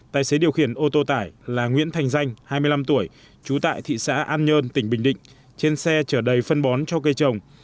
tài xế điều khiển ô tô tải là nguyễn thành danh hai mươi năm tuổi trú tại thị xã an nhơn tỉnh bình định trên xe chở đầy phân bón cho cây trồng